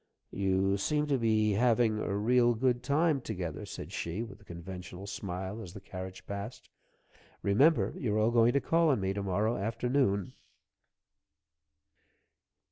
"You seem to have been having a real good time together," said she, with a conventional smile, as the carriage passed. "Remember, you're all going to call on me to morrow afternoon."